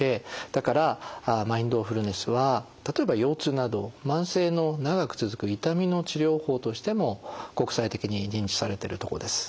だからマインドフルネスは例えば腰痛など慢性の長く続く痛みの治療法としても国際的に認知されてるとこです。